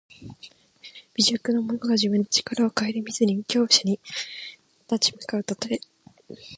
微弱な者が自分の力をかえりみずに強者に立ち向かうたとえ。